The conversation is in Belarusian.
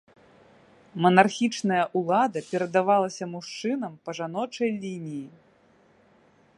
Манархічная ўлада перадавалася мужчынам па жаночай лініі.